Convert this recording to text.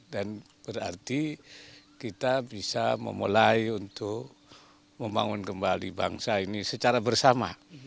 dan berarti kita bisa memulai untuk membangun kembali bangsa ini secara bersama